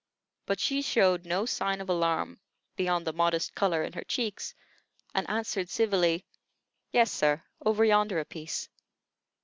But she showed no sign of alarm, beyond the modest color in her cheeks, and answered civilly: "Yes, sir, over yonder a piece."